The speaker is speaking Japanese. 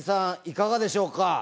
いかがでしょうか？